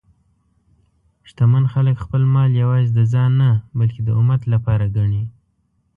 شتمن خلک خپل مال یوازې د ځان نه، بلکې د امت لپاره ګڼي.